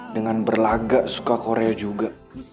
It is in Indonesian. dengan berlaga suka korea juga